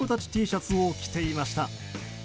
Ｔシャツを着ていました。